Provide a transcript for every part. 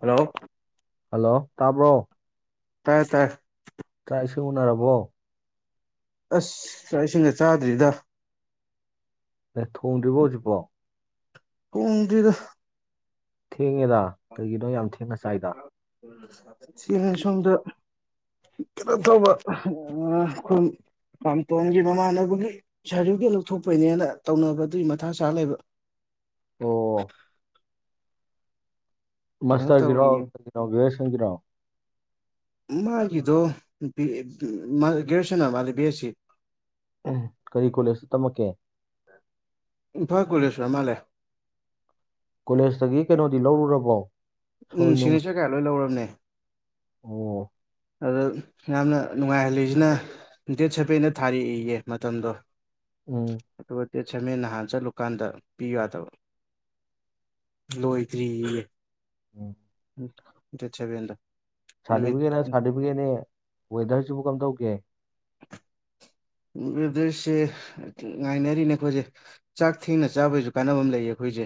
hello hello ꯇꯥꯕ꯭ꯔꯣ ꯇꯥꯏ ꯇꯥꯏ ꯆꯥꯛ ꯏꯁꯤꯡ ꯎꯅꯔꯕꯣ ꯑꯁ ꯆꯥꯛ ꯏꯁꯤꯡꯒ ꯆꯥꯗ꯭ꯔꯤꯗꯥ ꯑꯦ ꯊꯣꯡꯎꯗ꯭ꯔꯤꯕꯣ ꯍꯧꯖꯤꯛꯐꯧ ꯍꯣꯡꯗꯤꯗ ꯊꯦꯡꯉꯦꯗ ꯀꯔꯤꯒꯤꯅꯣ ꯌꯥꯝ ꯊ ꯁꯤꯍꯥꯏ ꯁꯝꯗ ꯈꯤꯩꯅ ꯇꯧꯕ ꯈꯨꯟ ꯃꯥꯝꯇꯣꯝꯒꯤ ꯃꯃꯥꯟꯅꯕꯒꯤ ꯁꯥꯔꯗꯤꯕꯤꯒꯦꯠ ꯂꯧꯊꯣꯛꯄꯩꯅꯦꯅ ꯇꯧꯅꯕ ꯑꯗꯨꯒꯤ ꯃꯊꯥ ꯁꯥ ꯂꯩꯕ ꯑꯣ ꯀꯩꯅꯣ ꯃꯁꯇ꯭ꯔꯒꯤꯔꯣ ꯇꯧꯔꯤꯌꯦ ꯀꯩꯅꯣ ꯒ꯭ꯔꯦꯖ꯭ꯋꯦꯁꯟꯒꯤꯔꯣ ꯃꯥꯒꯤꯗꯣ ꯒ꯭ꯔꯦꯖ꯭ꯋꯦꯁꯟ ꯑꯣꯏꯔ ꯃꯥꯜꯂꯦ ꯕꯤ ꯑꯦ ꯁꯤ ꯎꯝ ꯀꯔꯤ ꯀꯣꯂꯦꯖꯇ ꯇꯝꯃꯛꯀꯦ ꯏꯝꯐꯥꯜ ꯀꯣꯂꯦꯖ ꯇꯝ ꯃꯥꯜꯂꯦ ꯀꯣꯂꯦꯖꯇꯒꯤ ꯀꯩꯅꯣꯗꯤ ꯂꯧꯔꯨꯔꯕꯣ ꯎꯝ ꯁꯣꯏ ꯅꯨꯡ ꯁꯤꯒꯅꯦꯆ꯭ꯔ ꯀꯩ ꯀꯥ ꯂꯣꯏ ꯂꯧꯔꯕꯅꯦ ꯑꯣ ꯑꯗꯣ ꯌꯥꯝꯅ ꯅꯨꯡꯉꯥꯏꯍꯜꯂꯤꯖꯤꯅ ꯗꯦꯠ ꯁꯦꯚꯦꯟꯗ ꯊꯥꯔꯛꯏꯌꯦ ꯃꯇꯝꯗꯣ ꯎꯝ ꯑꯗꯨꯒ ꯗꯦꯠ ꯁꯃꯦꯟ ꯅꯍꯥꯟ ꯆꯠꯂꯨꯀꯥꯟꯗ ꯄꯤꯌꯨ ꯌꯥꯗꯕ ꯂꯣꯏꯗ꯭ꯔꯤꯌꯦ ꯎꯝ ꯎꯝ ꯗꯦꯠ ꯁꯕꯦꯟꯗꯣ ꯁꯥꯔꯗꯤꯕꯤꯒꯦꯠꯅ ꯁꯥꯔꯗꯤꯕꯤꯒꯦꯠꯅꯤ ꯋꯦꯗ꯭ꯔꯁꯤꯕꯨ ꯀꯝꯗꯧꯒꯦ ꯎꯝ ꯋꯦꯗ꯭ꯔꯁꯦ ꯉꯥꯏꯅꯔꯤꯅꯦ ꯑꯩꯈꯣꯏꯁꯦ ꯆꯥꯛ ꯊꯦꯡꯅ ꯆꯥꯕꯩꯖꯨ ꯀꯥꯟꯅꯕ ꯑꯃ ꯂꯩꯌꯦ ꯑꯩꯈꯣꯏꯁꯦ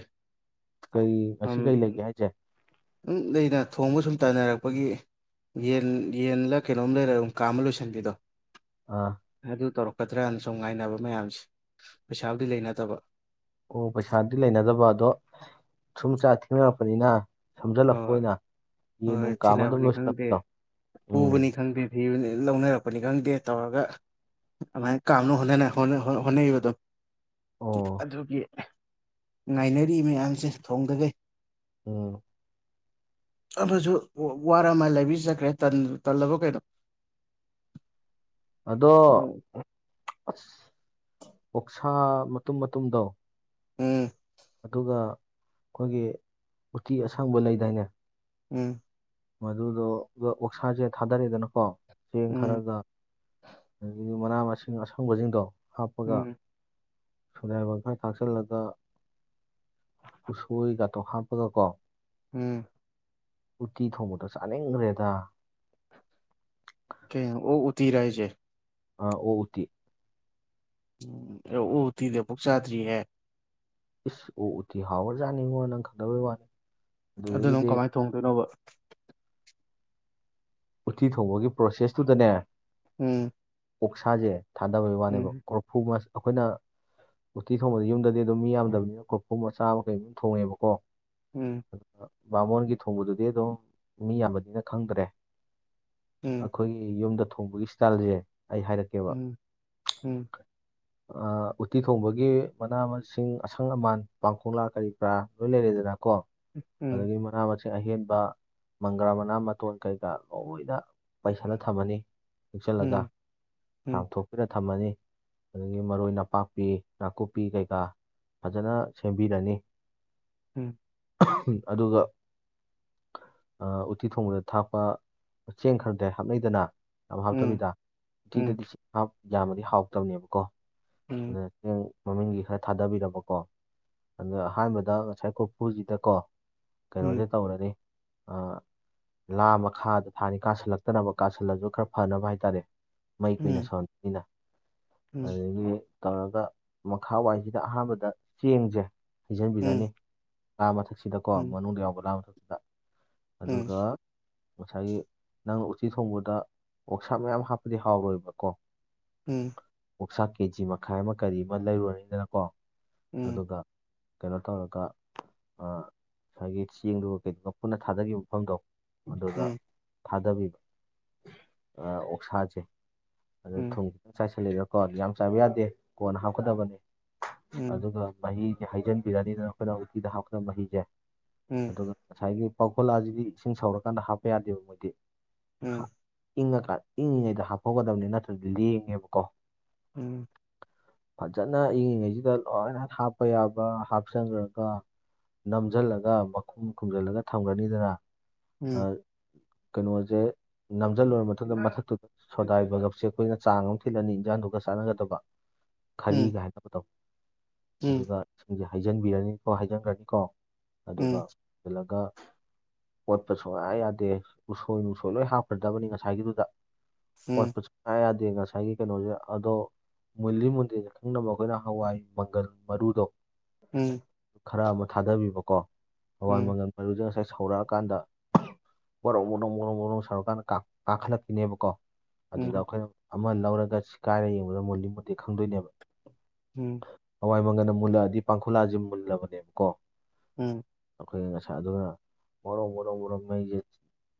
ꯀꯩ ꯉꯁꯤ ꯀꯩ ꯂꯩꯒꯦ ꯍꯥꯏꯖꯦ ꯎꯝ ꯂꯩꯗ ꯊꯣꯡꯕ ꯁꯨꯝ ꯇꯟꯅꯔꯛꯄꯒꯤ ꯌꯦꯟ ꯌꯦꯟꯂ ꯀꯩꯅꯣꯝ ꯂꯩꯔꯒ ꯀꯥꯝꯃ ꯂꯣꯏꯁꯤꯟꯕꯤꯗꯣ ꯑꯥ ꯑꯗꯨ ꯇꯧꯔꯛꯀꯗ꯭ꯔꯅ ꯁꯨꯝ ꯉꯥꯏꯅꯕ ꯃꯌꯥꯝꯁꯦ ꯄꯩꯁꯥꯕꯨꯗꯤ ꯂꯩꯅꯗꯕ ꯑꯣ ꯄꯩꯁꯥꯗꯤ ꯂꯩꯅꯗꯕ ꯑꯗꯣ ꯁꯨꯝ ꯆꯥꯛ ꯊꯦꯡꯅꯔꯛꯄꯅꯤꯅ ꯁꯝꯖꯜꯂꯛꯄ ꯍꯣꯏ ꯑꯣꯏꯅ ꯌꯦꯟ ꯍꯣꯏ ꯍꯣꯏ ꯅꯨꯡ ꯀꯥꯝꯃꯒ ꯑꯗꯨꯝ ꯊꯤꯅꯕꯅꯤ ꯈꯪꯗꯦ ꯂꯣꯏꯁꯤꯜꯂꯛꯄꯗꯣ ꯎꯝ ꯄꯨꯕꯅꯤ ꯈꯪꯗꯦ ꯊꯤꯕꯅꯤ ꯂꯧꯅꯔꯛꯄꯅꯤ ꯈꯪꯗꯦ ꯇꯧꯔꯒ ꯥꯑꯃꯥꯏꯅ ꯀꯥꯝꯅ ꯍꯣꯠꯅꯅ ꯍꯣꯠꯅ ꯍꯣꯠꯅꯩꯕ ꯑꯗꯨꯝ ꯑꯣ ꯑꯗꯨꯒꯤ ꯉꯥꯏꯅꯔꯤ ꯃꯌꯥꯝꯁꯦ ꯊꯣꯡꯗꯒꯩ ꯎꯝ ꯑꯃꯖꯨ ꯋꯥꯔꯃꯥꯜ ꯂꯥꯏꯕꯦꯔꯤ ꯆꯠꯈ꯭ꯔꯦ ꯇꯟ ꯇꯜꯂꯕ ꯀꯩꯅꯣ ꯑꯗꯣ ꯎꯝ ꯑꯁ ꯑꯣꯛꯁꯥ ꯃꯇꯨꯝ ꯃꯇꯨꯝꯗꯣ ꯎꯝ ꯑꯗꯨꯒ ꯑꯩꯈꯣꯏꯒꯤ ꯎꯇꯤ ꯑꯁꯡꯕ ꯂꯩꯗꯥꯏꯅꯦ ꯎꯝ ꯃꯗꯨꯗꯣꯒ ꯑꯣꯛꯁꯥꯁꯦ ꯊꯥꯗꯔꯦꯗꯅꯀꯣ ꯆꯦꯡ ꯈꯔꯒ ꯑꯗꯒꯤ ꯃꯅꯥ ꯃꯁꯤꯡ ꯑꯁꯪꯕꯖꯤꯡꯗꯣ ꯍꯥꯞꯄꯒ ꯎꯝ ꯁꯣꯗꯥꯏꯕꯥꯏꯒꯝ ꯈꯔ ꯊꯥꯛꯆꯜꯂꯒ ꯎꯁꯣꯏꯒꯇꯣ ꯍꯥꯥꯞꯄꯒ ꯀꯣ ꯎꯝ ꯎꯇꯤ ꯊꯣꯡꯕꯗ ꯆꯥꯅꯤꯡꯒ꯭ꯔꯦꯗ ꯀꯦꯅꯣ ꯑꯣꯛ ꯎꯇꯤꯔꯥ ꯌꯥꯢꯖꯦ ꯑꯥ ꯑꯣꯛ ꯎꯇꯤ ꯎꯝ ꯑꯣꯛ ꯎꯇꯤꯗꯤ ꯑꯝꯕꯨ ꯆꯥꯗ꯭ꯔꯤꯍꯦ ꯏꯁ ꯑꯣꯛ ꯎꯇꯤ ꯍꯥꯎꯔ ꯖꯥꯅꯤꯡꯉꯣ ꯅꯪ ꯈꯪꯗꯕꯩ ꯋꯥꯅꯤ ꯑꯗꯨꯅ ꯑꯃꯨꯛ ꯑꯗꯨꯗꯒꯤꯗꯤ ꯀꯃꯥꯏ ꯊꯣꯡꯗꯣꯏꯅꯣꯕ ꯎꯇꯤ ꯊꯣꯡꯕꯒꯤ ꯄ꯭ꯔꯣꯁꯦꯁꯇꯨꯗꯅꯦ ꯎꯝ ꯑꯣꯥꯛꯁꯥꯖꯦ ꯊꯥꯗꯕꯩ ꯋꯥꯅꯦꯕ ꯎꯝ ꯀꯣꯔꯐꯨ ꯑꯩꯈꯣꯏꯅ ꯎꯇꯤ ꯊꯣꯡꯕꯗꯣ ꯌꯨꯝꯗꯗꯤ ꯑꯗꯨꯝ ꯃꯤ ꯌꯥꯝꯗꯕꯅꯤꯅ ꯀꯣꯔꯐꯨ ꯃꯆꯥ ꯑꯃ ꯀꯩ ꯑꯃ ꯊꯣꯡꯉꯦꯕꯀꯣ ꯎꯝ ꯕꯥꯃꯣꯟꯒꯤ ꯊꯣꯡꯕꯗꯨꯗꯤ ꯑꯗꯨꯝ ꯃꯤ ꯌꯥꯝꯕꯅꯤꯅ ꯈꯪꯗ꯭ꯔꯦ ꯎꯝ ꯑꯩꯈꯣꯏꯒꯤ ꯌꯨꯝꯗ ꯊꯣꯡꯕꯒꯤ ꯏꯁ꯭ꯇꯥꯏꯜꯖꯦ ꯑꯩ ꯍꯥꯏꯔꯛꯀꯦ ꯎꯝ ꯎꯝ ꯍ ꯑ ꯎꯇꯤ ꯊꯣꯡꯕꯒꯤ ꯃꯅꯥ ꯃꯁꯤꯡ ꯑꯁꯪ ꯑꯃꯥꯟ ꯄꯥꯡꯈꯣꯂꯥ ꯀꯔꯤ ꯀꯔꯥ ꯂꯣꯏ ꯂꯩꯔꯦꯗꯅ ꯀꯣ ꯎꯝ ꯑꯗꯨꯒꯤ ꯃꯅꯥ ꯃꯁꯤꯡ ꯑꯍꯦꯟꯕ ꯃꯪꯒ꯭ꯔꯥ ꯃꯅꯥ ꯃꯇꯣꯟ ꯀꯩꯀꯥ ꯂꯣꯏꯅ ꯄꯩꯁꯜꯂ ꯊꯝꯃꯅꯤ ꯍꯦꯛꯆꯜꯂꯒ ꯎꯝ ꯎꯝ ꯆꯥꯝꯊꯣꯛꯄꯤꯔ ꯊꯝꯃꯅꯤ ꯑꯗꯒꯤ ꯃꯔꯣꯏ ꯅꯄꯥꯛꯄꯤ ꯅꯥꯀꯨꯞꯄꯤ ꯀꯩꯀꯥ ꯐꯖꯅ ꯁꯦꯝꯕꯤꯔꯅꯤ ꯎꯝ ꯑꯗꯨꯒ ꯑ ꯎꯇꯤ ꯊꯣꯡꯕꯗ ꯊꯥꯛ ꯆꯦꯡ ꯈꯔꯗꯤ ꯍꯥꯞꯅꯩꯗꯅ ꯌꯥꯝ ꯎꯝ ꯍꯥꯞꯇꯕꯤꯗ ꯎꯊꯤꯗꯗꯤ ꯍꯥꯞ ꯌꯥꯝꯃꯗꯤ ꯍꯥꯎꯇꯕꯅꯦꯕꯀꯣ ꯎꯝ ꯎꯝ ꯑꯗꯨꯅ ꯆꯦꯡ ꯃꯃꯤꯡꯒꯤ ꯈꯔ ꯊꯥꯗꯕꯤꯔꯕꯀꯣ ꯑꯗ ꯑꯍꯥꯟꯕꯗ ꯉꯁꯥꯏ ꯀꯐꯨꯁꯤꯗꯀꯣ ꯎꯝ ꯀꯩꯅꯣꯖꯦ ꯇꯧꯔꯅꯤ ꯑꯥ ꯂꯥ ꯃꯈꯥꯗ ꯊꯥꯅꯤ ꯀꯥꯥꯁꯜꯂꯛꯇꯅꯕ ꯀꯥꯥꯁꯜꯂꯖꯨ ꯈꯔ ꯐꯅꯕ ꯍꯥꯏꯇꯥꯔꯦ ꯃꯩ ꯀꯨꯏꯅ ꯎꯝ ꯁꯧꯍꯟ ꯅꯤꯅ ꯎꯝ ꯑꯗꯒꯤ ꯇꯧꯔꯒ ꯃꯈꯥ ꯋꯥꯏꯁꯤꯗ ꯑꯍꯥꯟꯕꯗ ꯆꯦꯡꯖꯦ ꯎꯝ ꯍꯩꯖꯟꯕꯤꯔꯅꯤ ꯂꯥ ꯃꯊꯛꯁꯤꯗꯀꯣ ꯎꯝ ꯎꯝ ꯎꯝ ꯎꯝ ꯎꯝ ꯃꯅꯨꯡꯗ ꯌꯥꯎꯕ ꯂꯥ ꯃꯊꯛꯁꯤꯗ ꯑꯗꯨꯒ ꯉꯁꯥꯏꯒꯤ ꯅꯪꯅ ꯎꯆꯤ ꯊꯣꯡꯕꯗ ꯑꯣꯛꯁꯥ ꯃꯌꯥꯝ ꯍꯥꯞꯄꯗꯤ ꯍꯥꯎꯔꯣꯏꯕꯀꯣ ꯎꯝ ꯑꯣꯛꯁꯥ ꯀꯦꯖꯤ ꯃꯈꯥꯏ ꯑꯃ ꯀꯔꯤ ꯑꯃ ꯂꯩꯔꯨꯔꯅꯤꯗꯅꯀꯣ ꯎꯝ ꯎꯝ ꯎꯝ ꯑꯗꯨꯒ ꯀꯩꯅꯣ ꯇꯧꯔꯒ ꯉꯁꯥꯏꯒꯤ ꯆꯦꯡꯗꯨꯒ ꯀꯩꯗꯨꯒ ꯄꯨꯟꯅ ꯊꯥꯗꯒꯤꯕ ꯃꯐꯝꯗꯣ ꯑꯗꯨꯗ ꯎꯝ ꯊꯥꯗꯕꯤꯕ ꯑꯣꯛꯁꯥꯖꯦ ꯎꯝ ꯎꯝ ꯎꯝ ꯎꯝ ꯑꯗ ꯊꯨꯝ ꯈꯤꯇꯪ ꯆꯥꯏꯁꯜꯂꯦꯗꯅꯀꯣ ꯌꯥꯝ ꯆꯥꯏꯕ ꯌꯥꯗꯦ ꯀꯣꯟꯅ ꯍꯥꯞꯀꯗꯕꯅꯤ ꯎꯝ ꯑꯗꯨꯒ ꯃꯍꯤꯖꯦ ꯍꯩꯖꯟꯕꯤꯔꯅꯤꯗꯅ ꯑꯩꯈꯣꯏꯅ ꯎꯇꯤꯗ ꯍꯥꯞꯀꯗꯕ ꯃꯍꯤꯖꯦ ꯑꯗꯨꯒ ꯉꯁꯥꯏꯒꯤ ꯄꯥꯈꯣꯛꯂꯥꯁꯤꯗꯤ ꯏꯁꯤꯡ ꯁꯧꯔꯀꯥꯟꯗ ꯍꯥꯞꯄ ꯌꯥꯗꯦꯕ ꯃꯣꯏꯗꯤ ꯏꯪꯉꯥꯀꯥꯟ ꯏꯪꯉꯤꯉꯩꯗ ꯍꯥꯞꯐꯧꯒꯗꯕꯅꯦ ꯅꯠꯇ꯭ꯔꯗꯤ ꯂꯦꯡꯉꯦꯕ ꯀꯣ ꯎꯝ ꯐꯖꯅ ꯏꯪꯉꯤꯉꯩꯁꯤꯗ ꯂꯣꯏꯅ ꯍꯥꯞꯄ ꯌꯥꯕ꯭ꯔ ꯍꯥꯞꯆꯟꯈ꯭ꯔꯒ ꯅꯝꯖꯜꯂꯒ ꯃꯈꯨꯝ ꯈꯨꯝꯖꯜꯂꯒ ꯊꯝꯒ꯭ꯔꯅꯤꯗꯅ ꯎꯝ ꯀꯩꯅꯣꯖꯦ ꯅꯝꯁꯤꯜꯂꯣꯏꯨꯔ ꯃꯇꯨꯡꯗ ꯃꯊꯛꯇꯨꯗ ꯁꯣꯗꯥꯏ ꯕꯥꯢꯒꯞꯁꯦ ꯑꯩꯈꯣꯏꯅ ꯆꯥꯡ ꯑꯃ ꯊꯤꯠꯂꯅꯤ ꯏꯟꯖꯥꯡꯗꯨꯒ ꯆꯥꯟꯅꯒꯗꯕ ꯈꯔꯤꯒ ꯍꯥꯏꯅꯕꯗꯣ ꯑꯗꯨꯒ ꯏꯁꯤꯡꯖꯦ ꯍꯩꯖꯤꯟꯕꯤꯔꯅꯤꯀꯣ ꯍꯥꯏꯖꯤꯟꯒ꯭ꯔꯔꯅꯤꯀꯣ ꯑꯗꯨꯒ ꯄꯨꯜꯂꯒ ꯑꯣꯠꯄ ꯁꯨꯡꯌꯥ ꯌꯥꯗꯦ ꯎꯁꯣꯏ ꯅꯨꯡꯁꯣꯏ ꯂꯣꯏ ꯍꯥꯞꯈ꯭ꯔꯗꯕꯅꯤ ꯉꯁꯥꯏꯒꯤꯗꯨꯗ ꯑꯣꯠꯄꯁꯨ ꯌꯥ ꯌꯥꯗꯦ ꯉꯁꯥꯏꯒꯤ ꯀꯩꯅꯣꯁꯤꯗ ꯑꯗꯣ ꯃꯨꯜꯂꯤ ꯃꯨꯟꯗ꯭ꯔꯤꯗ ꯈꯪꯅꯕ ꯑꯩꯈꯣꯏꯅ ꯍꯋꯥꯏ ꯃꯪꯒꯜ ꯃꯔꯨꯗꯣ ꯎꯝ ꯈꯔ ꯑꯃ ꯊꯥꯗꯕꯤꯕꯀꯣ ꯎꯝ ꯍꯋꯥꯏ ꯎꯝ ꯃꯪꯒꯜ ꯃꯔꯨꯖ ꯉꯁꯥꯏ ꯁꯧꯔꯥꯛ ꯀꯥꯟꯗ ꯑꯣꯔꯣꯛ ꯑꯣꯔꯣꯡ ꯑꯣꯔꯣꯡ ꯑꯣꯔꯣꯡ ꯁꯧꯔꯀꯥꯟꯗ ꯀꯥꯈꯠꯂꯛꯈꯤꯅꯦꯕꯀꯣ ꯎꯝ ꯑꯗꯨꯗ ꯑꯩꯈꯣꯏꯅ ꯑꯃ ꯂꯧꯔꯒ ꯁꯤ ꯀꯥꯏꯔ ꯌꯦꯡꯕꯗ ꯃꯨꯜꯂꯤ ꯃꯨꯟꯗꯦ ꯈꯪꯗꯣꯏꯅꯦꯕ ꯎꯝ ꯍꯋꯥꯏ ꯃꯪꯒꯜꯗ ꯃꯨꯜꯂꯛꯑꯗꯤ ꯄꯥꯡꯈꯨꯂꯥꯥꯁꯦ ꯃꯨꯜꯂꯕꯅꯦꯕꯀꯣ ꯎꯝ ꯑꯩꯈꯣꯏꯒꯤ ꯉꯁꯥꯏ ꯑꯗꯨꯒ ꯍꯔꯝ ꯔꯣ ꯔꯣ ꯃ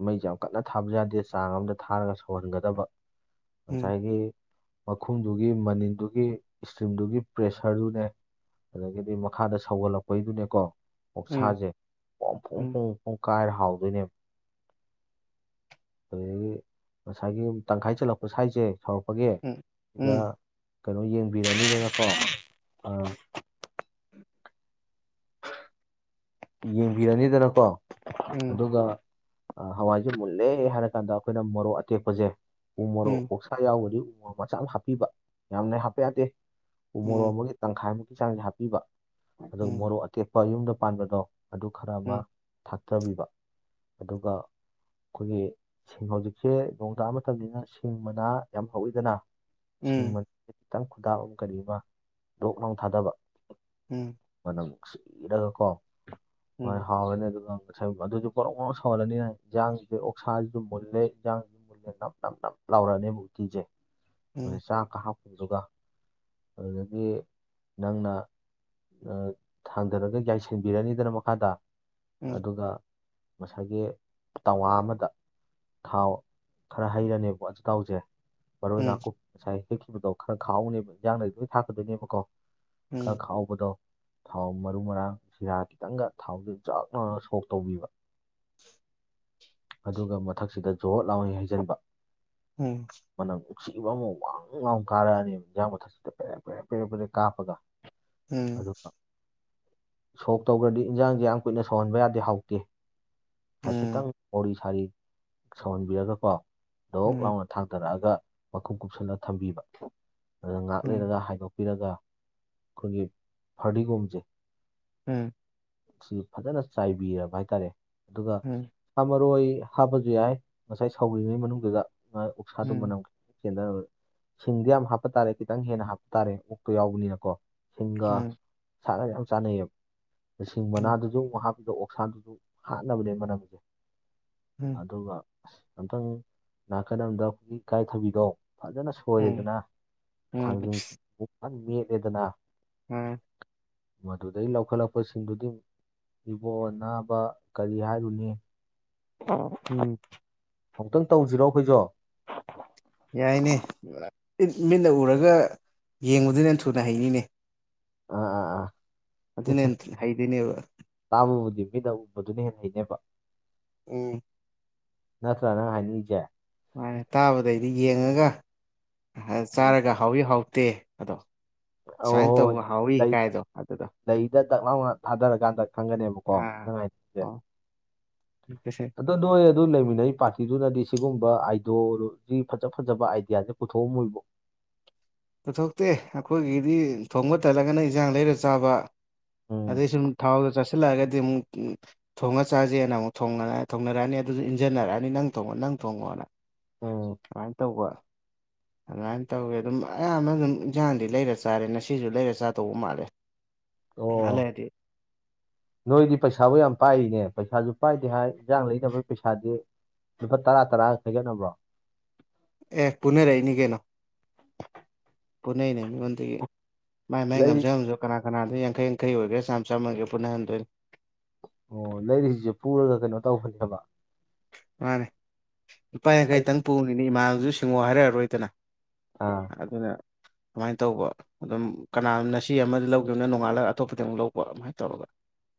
ꯃꯩꯁꯦ ꯌꯥꯝ ꯀꯟꯅ ꯊꯥꯕ ꯌꯥꯗꯦ ꯆꯥꯡ ꯑꯃꯝꯗ ꯊꯥꯔꯒ ꯁꯧꯍꯟꯒꯗꯕ ꯉꯁꯥꯏꯒꯤ ꯃꯈꯨꯝꯗꯨꯒꯤ ꯃꯅꯤꯟꯗꯨꯒꯤ ꯏꯁꯇꯤꯝꯗꯨꯒꯤ ꯄ꯭ꯔꯦꯁꯔꯗꯨꯅꯦ ꯑꯗꯒꯤꯗꯤ ꯃꯈꯥꯗ ꯁꯧꯒꯠꯂꯛꯄꯩꯗꯨꯅꯦꯀꯣ ꯑꯣꯁꯥꯖꯦ ꯄꯣꯡ ꯐꯣꯡ ꯐꯣꯡ ꯐꯣꯡ ꯀꯥꯏꯔ ꯍꯥꯎꯗꯣꯏꯅꯦ ꯑꯗꯒꯤ ꯉꯁꯥꯏꯒꯤ ꯑꯃꯨꯛ ꯇꯪꯈꯥꯏ ꯆꯠꯂꯛꯄ ꯁ꯭ꯋꯥꯏꯁꯦ ꯁꯥꯎꯔꯛꯄꯒꯤ ꯁꯤꯗ ꯀꯩꯅꯣ ꯌꯦꯡꯕꯤꯔꯅꯤꯗꯅꯀꯣ ꯑꯥ [inaudible] ꯌꯦꯡꯕꯤꯔꯅꯤꯗꯅꯀꯣ ꯑꯗꯨꯒ ꯍꯋꯥꯏꯖꯦ ꯃꯨꯜꯂꯦ ꯍꯥꯏꯔ ꯀꯥꯟꯗ ꯑꯩꯈꯣꯏꯅ ꯃꯔꯣꯛ ꯑꯇꯦꯛꯄꯖꯦ ꯎ ꯃꯔꯥꯔꯣꯛ ꯑꯣꯛ ꯁꯥ ꯌꯥꯎꯔꯗꯤ ꯎꯃꯣꯔꯣꯛ ꯃꯆꯥ ꯑꯃ ꯍꯥꯞꯄꯤꯕ ꯌꯥꯝꯅ ꯍꯥꯞꯄ ꯌꯥꯗꯦ ꯎ ꯃꯣꯔꯣꯛ ꯑꯃꯒꯤ ꯇꯪꯈꯥꯏꯃꯨꯛꯀꯤ ꯆꯥꯡꯁꯦ ꯍꯥꯞꯄꯤꯕ ꯑꯗꯨꯒ ꯃꯣꯔꯣꯛ ꯑꯇꯦꯛꯄ ꯌꯨꯝꯗ ꯄꯥꯟꯕꯗꯣ ꯑꯗꯨ ꯈꯔ ꯑꯃ ꯊꯥꯛꯆꯕꯤꯕ ꯑꯗꯨꯒ ꯑꯩꯈꯣꯏꯒꯤ ꯁꯤꯡ ꯍꯧꯖꯤꯛꯁꯦ ꯅꯣꯡ ꯇꯥ ꯃꯇꯝꯅꯤꯅ ꯁꯤꯡ ꯃꯅꯥ ꯌꯥꯝ ꯍꯧꯋꯤꯗꯅ ꯁꯤꯡ ꯈꯤꯇꯪ ꯈꯨꯗꯥꯥꯛ ꯑꯃ ꯀꯔꯤ ꯑꯃ ꯂꯣꯛ ꯂꯥꯡ ꯊꯥꯗꯕ ꯎꯝ ꯃꯅ ꯁꯤꯔꯒꯀꯣ ꯃꯣꯏ ꯍꯥꯎꯋꯅꯤ ꯑꯗꯨꯒ ꯑꯗꯨꯁꯨ ꯄꯣꯔꯣꯛ ꯄꯣꯔꯧ ꯁꯧꯍꯜꯂꯅꯤꯅ ꯏꯟꯥꯡꯁꯤꯁꯨ ꯑꯣꯛꯁꯥꯁꯨ ꯑꯗꯨꯝ ꯃꯨꯜꯂꯦ ꯏꯟꯥꯡꯁꯤꯝ ꯃꯨꯦ ꯅꯞ ꯅꯝ ꯅꯞ ꯂꯥꯎꯔꯛꯑꯅꯤ ꯃꯨꯔꯇꯤꯁꯦ ꯃꯣꯏ ꯆꯥꯛꯀ ꯍꯥꯞꯄꯗꯨꯒ ꯑꯗꯨꯗꯒꯤ ꯅꯪꯅ ꯊꯥꯡꯗꯔꯒ ꯌꯥꯏꯁ ꯁꯤꯟꯕꯤꯔꯅꯤꯗꯅ ꯃꯈꯥ ꯇꯥ ꯑꯗꯨꯒ ꯉꯁꯥꯏꯒꯤ ꯇꯋꯥ ꯑꯃꯗ ꯊꯥꯎ ꯈꯔ ꯍꯩꯔꯅꯦꯕꯣ ꯑꯈꯥꯎꯁꯦ ꯃꯔꯣꯏ ꯅꯥꯀꯨꯞ ꯉꯁꯥꯏ ꯍꯦꯛꯈꯤꯕꯗꯣ ꯈꯔ ꯈꯥꯎꯍꯅꯦꯕ ꯏꯟꯖꯥꯡꯅ ꯂꯣꯏ ꯊꯥꯛꯀꯗꯣꯏꯅꯦꯕꯀꯣ ꯈꯔ ꯈꯥꯎꯍꯕꯗꯣ ꯊꯥꯎ ꯃꯔꯨ ꯃꯔꯥꯡ ꯁꯤꯔꯥ ꯈꯤꯇꯪꯒ ꯊꯥꯎꯁꯦ ꯆꯥꯎꯥꯛꯅꯅ ꯁꯣꯛ ꯇꯧꯕꯤꯕ ꯑꯗꯨꯒ ꯃꯊꯛꯁꯤꯗ ꯖꯣꯣꯠ ꯂꯥꯎꯅꯤ ꯍꯥꯏꯖꯔꯤꯕ ꯎꯝ ꯃꯅꯪ ꯎꯛꯁꯤꯕ ꯑꯃ ꯋꯥꯡ ꯉꯥꯎ ꯀꯥꯔꯛꯑꯅꯤ ꯏꯟꯖꯥꯡ ꯃꯊꯛꯇꯁꯤꯗ ꯄꯦꯔꯦ ꯄꯦꯔꯦ ꯄꯦꯔꯦ ꯄꯦꯔꯦ ꯀꯥꯞꯄꯒ ꯎꯝ ꯑꯗꯨꯒ ꯁꯣꯛ ꯇꯧꯈ꯭ꯔꯗꯤ ꯏꯟꯖꯥꯡꯁꯦ ꯌꯥꯝ ꯀꯨꯏꯅ ꯁꯧꯍꯟꯕ ꯌꯥꯗꯦ ꯍꯥꯎꯇꯦ ꯍꯥꯏꯐꯦꯠꯇꯪ ꯋꯥꯔꯤ ꯁꯥꯔꯤ ꯁꯧꯍꯟꯕꯤꯔꯒꯀꯣ ꯑꯗꯨꯣꯛ ꯂꯥꯎꯅ ꯎꯝ ꯊꯥꯡꯗꯔꯛꯑꯒ ꯃꯈꯨꯝ ꯀꯨꯞꯁꯟꯅ ꯊꯝꯕꯤꯕ ꯑꯗꯨꯒ ꯉꯍꯥꯛ ꯂꯩꯔꯒ ꯍꯥꯏꯗꯣꯛꯄꯤꯔꯒ ꯑꯩꯈꯣꯏꯒꯤ ꯐꯔꯗꯤꯒꯣꯝꯁꯦ ꯎꯝ ꯁꯤ ꯐꯖꯅ ꯆꯥꯏꯕꯤꯔꯕ ꯍꯥꯏꯇꯥꯔꯦ ꯑꯗꯨꯒ ꯍꯥꯞꯃꯣꯏ ꯍꯥꯞꯄꯁꯨ ꯌꯥꯏ ꯉꯁꯥꯏ ꯁꯥꯎ꯭ꯔꯤꯉꯩ ꯃꯅꯨꯡꯗꯨꯗ ꯎꯛꯁꯥꯗꯨꯣ ꯃꯅꯝꯈꯤ ꯆꯦꯟꯗꯅꯕ ꯁꯤꯡꯗꯤ ꯌꯥꯝ ꯍꯥꯞꯄ ꯇꯥꯔꯦ ꯈꯤꯇꯪ ꯍꯦꯟꯅ ꯍꯥꯞꯄ ꯇꯥꯔꯦ ꯑꯣꯛꯇꯣ ꯌꯥꯎꯕꯅꯤꯅꯀꯣ ꯁꯤꯡꯒ ꯁꯥꯟꯒ ꯌꯥꯝ ꯆꯥꯅꯩꯑꯕ ꯃꯁꯤꯡ ꯃꯅꯥꯗꯨꯁꯨ ꯃꯍꯥꯛꯄꯗ ꯑꯣꯛꯁꯥꯡꯗꯨꯁꯨ ꯍꯥꯠꯅꯕꯅꯦ ꯃꯅꯝꯁꯦ ꯎꯝ ꯑꯗꯨꯒ ꯑꯝꯇꯪ ꯉꯥꯛꯀꯗꯕꯗ ꯑꯩꯈꯣꯏꯒꯤ ꯏꯀꯥꯏ ꯊꯕꯤꯗꯣ ꯐꯖꯅ ꯁꯣꯏꯔꯦꯗꯅ ꯎꯝ ꯊꯥꯡꯖꯤꯡꯁꯤꯛ ꯐꯟ ꯃꯦꯠꯂꯦꯗꯅ ꯎꯝ ꯃꯗꯨꯨꯗ ꯂ ꯆꯥꯎꯈꯠꯂꯛꯄꯁꯤꯡꯗꯨꯗꯤ ꯏꯕꯣꯟ ꯅꯥꯕ ꯀꯔꯤ ꯍꯥꯏꯔꯨꯅꯤ ꯑ ꯎꯝ ꯑꯃꯨꯛꯇꯪ ꯇꯧꯁꯤꯔꯣ ꯑꯩꯈꯣꯏꯁꯨꯣ ꯌꯥꯏꯅꯦꯠ ꯃꯤꯠꯅ ꯎꯔꯒ ꯌꯦꯡꯕꯗꯨꯅꯦ ꯊꯨꯅ ꯍꯩꯅꯤꯅꯦ ꯑ ꯑꯥ ꯑꯥ ꯑꯗꯨ ꯅꯦꯟ ꯍ ꯍꯥꯏꯗꯅꯦꯕ ꯇꯥꯃꯕꯨꯗꯤ ꯃꯤꯗ ꯎꯕꯗꯨꯅ ꯍꯦꯟꯅ ꯍꯩꯅꯦꯕ ꯎꯝ ꯅꯆ꯭ꯔꯅ ꯑꯅꯤꯖꯦ ꯃꯥꯃꯅ ꯇꯥꯕꯗꯩꯗꯤ ꯌꯦꯡꯉꯒ ꯎꯝ ꯆꯥꯔꯒ ꯍꯥꯎꯏ ꯍꯥꯎꯇꯦ ꯑꯗꯣ ꯑꯧ ꯁꯨꯃꯥꯏꯅ ꯍꯣꯏ ꯇꯧꯕ ꯍꯥꯎꯋꯤ ꯂꯩ ꯀꯥꯏꯗꯣ ꯑꯗꯨꯗꯣ ꯂꯩꯗ ꯗꯛ ꯂꯥꯎꯅ ꯊꯥꯗꯔꯀꯥꯟꯗ ꯈꯪꯒꯅꯦꯕꯀꯣ ꯅꯨꯡꯉꯥꯏ ꯑꯣꯦꯁꯦ ꯑꯗꯣ ꯅꯣꯏ ꯑꯗꯨ ꯂꯩꯃꯤꯟꯅꯔꯤ ꯄꯥꯔꯇꯤꯗꯨꯅꯗꯤ ꯁꯤꯒꯨꯝꯕ ꯑꯥꯏꯗꯣ ꯁꯤ ꯐꯖ ꯐꯖꯕ ꯑꯥꯏꯗꯤꯌꯥꯁꯦ ꯄꯨꯊꯣꯛꯑꯝꯃꯣꯏꯕꯣ ꯄꯨꯊꯣꯛꯇꯦ ꯑꯩꯈꯣꯏꯒꯤꯗꯤ ꯊꯣꯡꯕ ꯇꯜꯂꯒꯅ ꯏꯟꯖꯥꯡ ꯂꯩꯔ ꯆꯥꯕ ꯑꯗꯩ ꯎꯝ ꯁꯨꯝ ꯊ ꯥꯎꯗꯣ ꯆꯁꯜꯂꯛꯑꯒꯗꯤ ꯑꯃꯨꯛ ꯊꯣꯡꯉ ꯆꯥꯖꯦꯅ ꯑꯃꯨꯛ ꯊꯣꯡꯅꯔꯛ ꯊꯣꯡꯅꯔꯛꯑꯅꯤ ꯑꯗꯨꯖꯨ ꯏꯟꯖꯟꯅꯔꯛꯑꯅꯤ ꯅꯪ ꯊꯣꯡꯉꯣ ꯅꯪ ꯊꯣꯡꯉꯣꯅ ꯑꯣ ꯁꯃꯥꯏꯅ ꯇꯧꯕ ꯑꯗꯨꯃꯥꯏꯅ ꯇꯧꯋꯦ ꯑꯗꯨꯝ ꯑꯌꯥꯝꯕ ꯑꯗꯨꯝ ꯏꯟꯖꯥꯡꯗꯤ ꯂꯩꯔ ꯆꯥꯔꯦ ꯉꯁꯤꯁꯨ ꯂꯩꯔ ꯆꯥ ꯇꯧꯕ ꯃꯥꯜꯂꯦ ꯄꯩꯁꯥ ꯑꯣ ꯂꯩꯔꯗꯤ ꯅꯣꯏꯗꯤ ꯄꯩꯁꯥꯕꯨ ꯌꯥꯝ ꯄꯥꯏꯔꯤꯅꯦ ꯄꯩꯁꯥꯁꯨ ꯄꯥꯏꯗꯦ ꯍꯥꯏ ꯏꯟꯖꯥꯡ ꯂꯩꯅꯕꯒꯤ ꯄꯩꯁꯥꯗꯤ ꯂꯨꯄꯥ ꯇꯔꯥ ꯇꯔꯥꯒ ꯈꯥꯏꯒꯠꯅꯕ꯭ꯔꯣ ꯑꯦ ꯄꯨꯅꯔꯛꯏꯅꯤ ꯀꯩꯅꯣ ꯄꯨꯅꯩꯅꯤ ꯃꯤꯉꯣꯟꯗꯒꯤ ꯃꯥꯏ ꯃꯥꯏ ꯂꯩꯔꯤ ꯉꯝꯖ ꯉꯝꯁꯨ ꯀꯅꯥ ꯀꯅꯥꯗꯣ ꯌꯥꯡꯈꯩ ꯌꯥꯡꯈꯩ ꯑꯣꯏꯒꯦꯥ ꯆꯥꯝ ꯆꯝꯅꯒꯦ ꯄꯨꯅꯍꯟꯗꯣꯏꯅꯤ ꯑꯣ ꯂꯩꯔꯤꯁꯤꯁꯨ ꯄꯨꯔꯒ ꯀꯩꯅꯣ ꯇꯧꯕꯅꯦꯕ ꯃꯥꯅꯦ ꯏꯄꯥꯅ ꯑꯩ ꯈꯇꯪ ꯄꯨꯅꯤꯅꯦ ꯏꯃꯥꯅꯁꯨ ꯁꯤꯡꯉꯣ ꯍꯥꯏꯔꯛꯑꯔꯣꯏꯗꯅ ꯑꯥ ꯑꯗꯨꯅ ꯁꯃꯥꯏꯅ ꯇꯧꯕ ꯑꯗꯨꯝ ꯀꯅꯥꯅ ꯁꯤ ꯑꯃꯗ ꯂꯧꯈꯤꯕꯅꯣ ꯅꯣꯡꯉꯥꯜꯂꯒ ꯑꯇꯣꯞꯄꯗ ꯑꯃꯨꯛ ꯂꯧꯕ ꯑꯗꯨꯃꯥꯏꯅ ꯇꯧꯔꯒ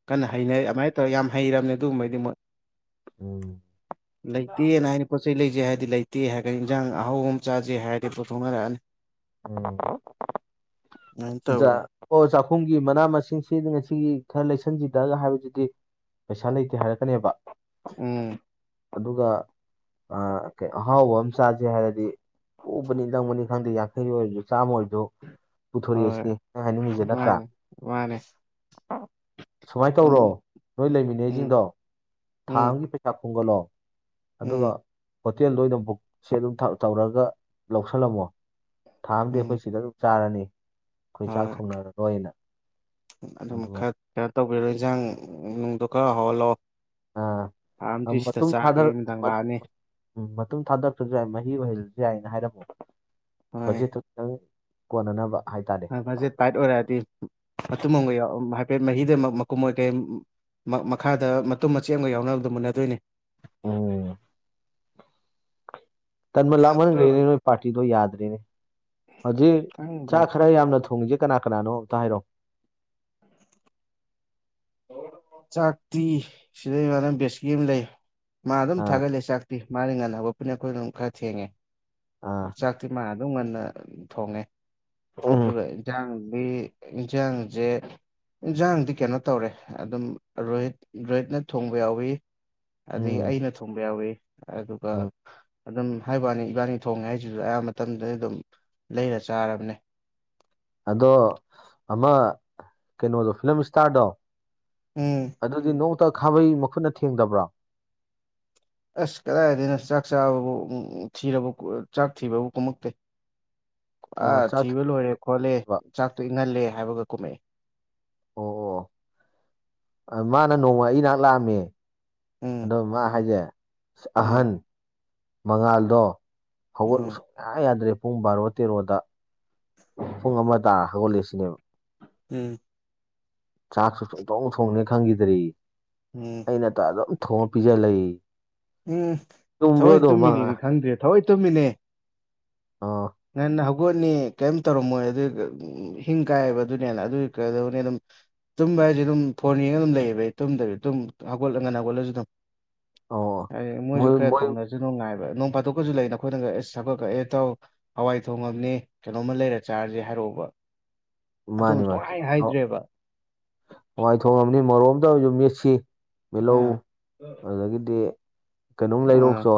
ꯀꯟꯅ ꯍꯩꯅꯩ ꯑꯗꯨꯃꯥꯏꯅ ꯇꯧꯔꯒ ꯌꯥꯝ ꯍꯩꯔꯕꯅꯤ ꯑꯗꯨꯒꯨꯝꯕꯗꯤ ꯃꯣꯏ ꯎꯝ ꯂꯩꯇꯦꯅ ꯍꯥꯏꯗꯤ ꯄꯣꯠꯆ ꯆꯩ ꯂꯩꯖꯩ ꯍꯥꯏꯔꯗꯤ ꯂꯩꯇꯦ ꯍꯥꯏꯔꯒꯅꯤ ꯏꯟꯖꯥꯡ ꯑꯍꯥꯎ ꯑꯃ ꯆꯥꯥꯁꯦ ꯍꯥꯏꯔꯗꯤ ꯄꯨꯣꯠꯊꯣꯛꯅꯔꯛꯑꯅꯤ ꯑꯗꯃꯅ꯭ꯔꯣ ꯑꯗꯨꯃꯥꯏꯅ ꯇꯧꯔꯤ ꯑꯣ ꯆꯥꯛꯈꯨꯝꯒꯤ ꯃꯅꯥ ꯃꯁꯤꯡꯁꯤ ꯉꯁꯤꯒꯤ ꯈꯔ ꯂꯩꯁꯟꯁꯤꯗꯑꯒ ꯍꯥꯏꯕꯗꯨꯗꯤ ꯄꯩꯁꯥ ꯂꯩꯇꯦ ꯍꯥꯏꯔꯛꯀꯅꯦꯕ ꯎꯝ ꯑꯗꯨꯒ ꯑ ꯀꯩꯅꯣ ꯑꯍꯥꯎꯕ ꯑꯃ ꯆꯥꯁꯦ ꯍꯥꯏꯔꯗꯤ ꯄꯨꯕꯅꯤ ꯂꯪꯕꯅꯤ ꯈꯩꯗꯦ ꯌꯥꯡꯈꯩ ꯑꯣꯏꯁꯨ ꯆꯥꯝꯃꯥ ꯑꯣꯏꯖꯨ ꯍꯣꯏ ꯄꯨꯊꯣꯔꯦꯑꯦꯁꯤꯅꯤ ꯅꯪ ꯍꯥꯏꯅꯤꯡꯉꯤꯖꯦ ꯅꯠꯇ꯭ꯔꯥ ꯃꯥꯅꯦ ꯃꯥꯅꯦ ꯁꯨꯃꯥꯏꯅ ꯑꯗꯨꯝ ꯇꯧꯔꯣ ꯅꯣꯏ ꯎꯝ ꯂꯩꯃꯤꯟꯅꯩꯁꯤꯡꯗꯣ ꯊꯥ ꯎꯝ ꯑꯃꯒꯤꯒꯤ ꯄꯩꯁꯥ ꯈꯨꯝꯒꯠꯂꯣ ꯑꯗꯨꯒ ꯎꯝ ꯍꯣꯇꯦꯜꯗ ꯑꯣꯏꯅ ꯕꯨꯛꯁ ꯑꯗꯨꯝ ꯇꯧꯔꯒ ꯂꯧꯁꯜꯂꯝꯃꯣ ꯊꯥ ꯑꯝꯗꯤ ꯎꯝ ꯑꯩꯈꯣꯏ ꯁꯤꯗ ꯑꯗꯨꯝ ꯆꯥꯔꯅꯤ ꯑꯩꯈꯣꯏ ꯆꯥꯛ ꯍꯣꯏ ꯊꯣꯡꯅꯔꯔꯣꯏꯅ ꯑꯗꯨꯝ ꯑꯗꯨꯃꯥꯏꯅ ꯈꯔ ꯀꯌꯥꯔ ꯇꯧꯕꯤꯔꯣ ꯏꯟꯁꯖꯥꯡ ꯅꯨꯡꯗꯣ ꯈꯔ ꯍꯧꯍꯜꯂꯛꯑꯣ ꯑꯥꯝꯗꯤ ꯁꯤꯗ ꯆꯥꯒꯦ ꯑꯩꯃꯤꯗꯥꯪ ꯂꯥꯛꯑꯅꯤ ꯎꯝ ꯃꯇꯨꯡ ꯊꯥꯗꯔꯛꯇ꯭ꯔꯁꯨ ꯌꯥꯏ ꯃꯍꯤ ꯑꯣꯏꯍꯜꯂꯁꯨ ꯌꯥꯏꯅ ꯍꯥꯏꯔꯝꯃꯣ ꯍꯣꯏ ꯕꯖꯦꯠꯇ ꯈꯤꯇꯪ ꯀꯣꯟꯅꯅꯕ ꯍꯥꯏꯇꯥꯔꯦ ꯃꯥꯁꯦ ꯇꯥꯏꯠ ꯑꯣꯏꯔꯛꯑꯗꯤ ꯃꯇꯨꯡꯨꯝ ꯑꯃꯒ ꯌꯥꯎ ꯍꯥꯏꯐꯦꯠ ꯃꯍꯤꯗꯃꯛ ꯃꯀꯨꯝ ꯑꯣꯏ ꯀꯩ ꯃ ꯃꯈꯥꯗ ꯃꯇꯨꯝ ꯃꯆꯦꯠ ꯑꯝꯒ ꯌꯥꯎꯅꯕꯗꯨ ꯃꯨꯟꯅꯗꯣꯏꯅꯤ ꯑꯨꯝ ꯇꯟꯕ ꯑꯗꯣ ꯂꯥꯛꯃꯟꯈ꯭ꯔꯦꯅꯦ ꯅꯣꯏ ꯄꯥꯔꯇꯤꯗꯣ ꯌꯥꯗ꯭ꯔꯤꯅꯦ ꯍꯧꯖꯤꯛ ꯈꯪꯗꯦ ꯆꯥꯛ ꯈꯔ ꯌꯥꯝꯅ ꯊꯣꯡꯁꯤ ꯀꯅꯥ ꯀꯅꯥꯅꯣ ꯑꯝꯇ ꯍꯥꯏꯔꯛꯑꯣ ꯆꯥꯛꯇꯤ ꯁꯤꯗꯩ ꯏꯃꯥꯟꯅꯕ ꯕꯦꯁꯀꯤ ꯑꯃ ꯂꯩ ꯃꯥ ꯑꯗꯨꯝ ꯑꯥ ꯊꯥꯒꯠꯂꯦ ꯆꯥꯛ ꯑꯝ ꯃꯥꯗꯤ ꯉꯥꯟꯅ ꯍꯧꯒꯠꯄꯅꯤ ꯑꯈꯣꯏꯅ ꯀꯈꯔ ꯈꯔ ꯊꯦꯡꯉꯦ ꯑꯥ ꯆꯥꯛꯇꯤ ꯃꯥ ꯑꯗꯨꯝ ꯉꯟꯅ ꯊꯣꯡꯉꯦ ꯎꯝ ꯑꯗꯨꯒ ꯏꯟꯁꯥꯡꯗꯤ ꯢꯟꯁꯥꯡꯁꯦ ꯏꯟꯖꯥꯡꯗꯤ ꯀꯩꯅꯣ ꯇꯧꯔꯦ ꯑꯗꯨꯝ ꯔꯣꯍꯤꯠ ꯔꯣꯍꯤꯠꯅ ꯊꯣꯡꯕ ꯌꯥꯎꯋꯤ ꯑꯗꯒꯤ ꯎꯝ ꯑꯩꯅ ꯊꯣꯡꯕ ꯌꯥꯎꯋꯤ ꯑꯗꯨꯒ ꯎꯝ ꯑꯗꯨꯝ ꯍꯥꯏꯕꯨꯋꯥꯅꯤ ꯏꯕꯥꯅꯤ ꯊꯣꯡꯉꯦ ꯍꯥꯏꯁꯤꯁꯨ ꯑꯌꯥꯝꯕ ꯃꯇꯝꯗꯗꯤ ꯑꯗꯨꯝ ꯂꯩꯔ ꯆꯥꯔꯕꯅꯦ ꯑꯗꯣ ꯑꯃ ꯀꯩꯅꯣꯗꯣ ꯐꯤꯂꯝ ꯏꯁꯇꯥꯔꯗꯣ ꯎꯝ ꯑꯗꯨꯗꯤ ꯅꯣꯡꯇ ꯈꯥꯕꯩ ꯃꯈꯨꯠꯅ ꯊꯦꯡꯗꯕ꯭ꯔꯣ ꯑꯁ ꯀꯗꯥꯏꯗꯩꯅꯣ ꯆꯥꯛ ꯆꯥꯕꯕꯨ ꯎꯝ ꯎꯝ ꯊꯤꯔꯕꯧ ꯆꯥꯛ ꯊꯤꯕꯕꯨ ꯀꯨꯝꯃꯛꯇꯦ [inaudible] ꯑꯥ ꯆꯥꯛ ꯊꯤꯕ ꯂꯣꯏꯔꯦ ꯈꯣꯠꯂꯦ ꯑꯣ ꯆꯥꯛꯇꯣ ꯏꯪꯍꯜꯂꯦ ꯍꯥꯏꯕꯒ ꯀꯨꯝꯃꯛꯑꯦ ꯑꯣ ꯃꯥꯅ ꯅꯣꯡꯃ ꯑꯩ ꯅꯥꯛ ꯂꯥꯛꯑꯝꯃꯦ ꯎꯝ ꯑꯗꯣ ꯃꯥ ꯍꯥꯏꯁꯦ ꯎꯝ ꯑꯍꯟ ꯃꯉꯥꯜꯗꯣ ꯍꯧꯒꯠꯂ ꯎꯝ ꯁꯨꯡꯌꯥ ꯌꯥꯗ꯭ꯔꯦ ꯄꯨꯡ ꯕꯥꯔꯣ ꯇꯦꯔꯣꯗ ꯄꯨꯡ ꯑꯃ ꯇꯥ ꯍꯧꯒꯠꯂꯦ ꯁꯤꯅꯦꯕ ꯎꯝ ꯆꯥꯛꯒ ꯁꯨꯡꯊꯣꯡ ꯊꯣꯡꯅꯤ ꯈꯪꯈꯤꯗ꯭ꯔꯌꯦ ꯎꯝ ꯑꯩꯅꯇ ꯑꯗꯨꯝ ꯊꯣꯡꯉ ꯄꯤꯖ ꯂꯩꯌꯦ ꯎꯝ ꯊꯑꯣꯏ ꯃꯉꯥ ꯇꯨꯝꯃꯤꯅꯤꯗꯤ ꯈꯪꯗ꯭꯭ꯔꯤ ꯊꯑꯣꯏ ꯇꯨꯝꯃꯤꯅꯦ ꯑꯥ ꯉꯥꯟꯅ ꯍꯧꯒꯠꯅꯤ ꯀꯤꯝ ꯇꯧꯔꯝꯃꯣꯏ ꯑꯗꯨ ꯎꯝ ꯍꯤꯡ ꯀꯥꯏꯕ ꯑꯗꯨꯅ ꯍꯦꯟꯅ ꯑꯗꯨꯒꯤ ꯀꯗꯧꯅꯦ ꯑꯗꯨꯝ ꯇꯨꯝꯕ ꯍꯥꯏꯁꯦ ꯑꯗꯨꯝ ꯐꯣꯟ ꯌꯦꯡꯉꯒ ꯑꯗꯨꯝ ꯂꯩꯌꯦꯕ ꯑꯩ ꯇꯨꯝꯗꯕ ꯑꯗꯨꯝ ꯍꯧꯒꯠꯂꯒꯅ ꯍꯧꯒꯠꯂꯁꯨ ꯑꯗꯨꯝ ꯑꯧ ꯑꯩ ꯃꯣꯏꯁꯨ ꯃꯣꯏ ꯈꯔ ꯃꯣꯏ ꯊꯣꯡꯖ ꯖꯁꯨꯅꯣ ꯉꯥꯏꯕ ꯅꯣꯡ ꯐꯥꯗꯣꯛꯀꯁꯨ ꯂꯩꯅ ꯑꯩꯈꯣꯏꯅꯒ ꯁꯐꯥꯕ ꯑꯦ ꯇꯧ ꯍꯋꯥꯏ ꯊꯣꯡ ꯑꯃꯅꯦ ꯀꯩꯅꯣꯝꯃ ꯂꯩꯔ ꯆꯥꯔꯁꯦ ꯍꯥꯏꯔꯛꯑꯣꯕ ꯑꯗꯨꯝ ꯃꯥꯅꯤ ꯃꯥꯅꯤ ꯁꯨꯡꯍꯥꯏ ꯍꯥꯏꯗ꯭ꯔꯦꯕ ꯍꯋꯥꯏ ꯊꯣꯡꯉꯕꯅꯤ ꯃꯣꯔꯣꯛ ꯑꯝꯇ ꯑꯣꯢꯁꯨ ꯃꯦꯠꯁꯤ ꯃꯦꯜꯂꯧ ꯑꯥ ꯑꯗꯨꯗꯒꯤꯗꯤ ꯀꯩꯅꯣꯝ ꯑꯥ ꯂꯩꯔꯨꯖꯣ